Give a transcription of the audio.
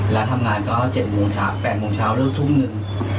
แล้วทำงานก็เจ็ดโมงเช้าแปดโมงเช้าเริ่มทุ่มหนึ่ง